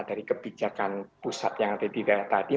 dari kebijakan pusat yang ada di daerah tadi